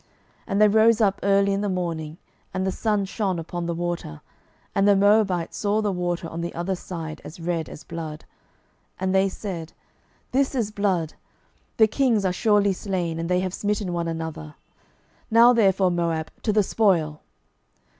12:003:022 And they rose up early in the morning, and the sun shone upon the water, and the Moabites saw the water on the other side as red as blood: 12:003:023 And they said, This is blood: the kings are surely slain, and they have smitten one another: now therefore, Moab, to the spoil.